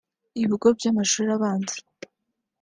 ibigo byamashuri abanza